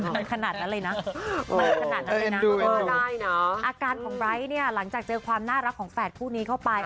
มันขนาดนั้นเลยนะอาการของไบร์ทหลังจากเจอความน่ารักของแฝดผู้นี้เข้าไป